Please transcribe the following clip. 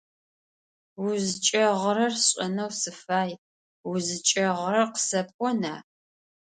УзыкӀэгъырэр сшӀэнэу сыфай УзыкӀэгъырэр къысэпӀона?